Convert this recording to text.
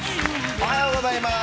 おはようございます。